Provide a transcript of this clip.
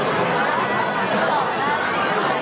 ขอบคุณครับขอบคุณครับ